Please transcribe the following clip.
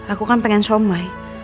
aku kan pengen somai